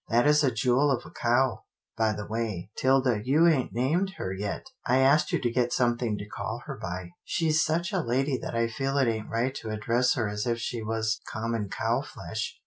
That is a jewel of a cow — by the way, 'Tilda, you ain't named her yet. I asked you to get something to call her by. She's such a lady that I feel it ain't right to address her as if she was common cow flesh."